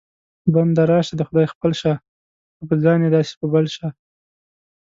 بنده راشه د خدای خپل شه، لکه په ځان یې داسې په بل شه